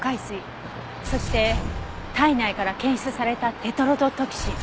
そして体内から検出されたテトロドトキシン。